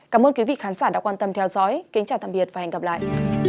cảm ơn quý vị khán giả đã quan tâm theo dõi kính chào tạm biệt và hẹn gặp lại